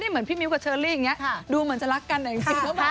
นี่เหมือนพี่มิวกับเชอร์รี่อย่างนี้ดูเหมือนจะรักกันอย่างนี้